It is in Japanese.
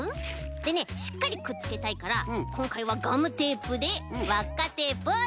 でねしっかりくっつけたいからこんかいはガムテープでわっかテープをつくるよ。